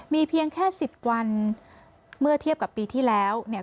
มีเพียงแค่สิบวันเมื่อเทียบกับปีที่แล้วเนี่ย